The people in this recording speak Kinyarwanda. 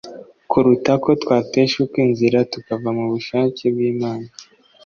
kuruta ko twateshuka inzira tukava mu bushake bw'Imana